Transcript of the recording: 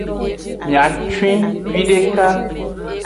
Miacen videka.